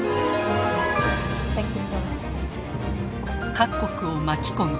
各国を巻き込み